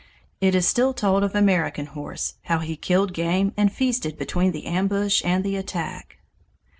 It is still told of American Horse how he killed game and feasted between the ambush and the attack.